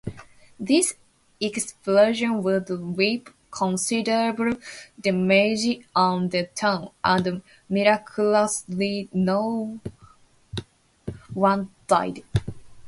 This explosion would reap considerable damage on the town and miraculously no one died.